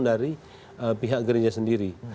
dari pihak gereja sendiri